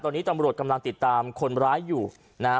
ตอนนี้ตำรวจกำลังติดตามคนร้ายอยู่นะฮะ